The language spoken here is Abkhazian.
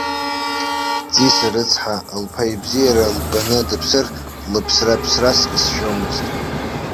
Ҵиса рыцҳа, лԥа ибзиара лбаны дыԥсыр, лыԥсра ԥсрас исшьомызт.